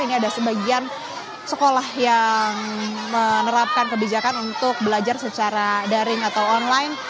ini ada sebagian sekolah yang menerapkan kebijakan untuk belajar secara daring atau online